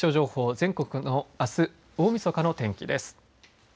全国のあす大みそかの天気です。